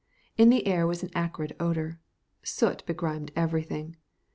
In the air was an acrid odor. Soot begrimed everything.